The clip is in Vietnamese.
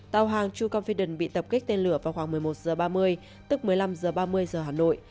tàu hàng true confiden bị tập kích tên lửa vào khoảng một mươi một h ba mươi tức một mươi năm h ba mươi giờ hà nội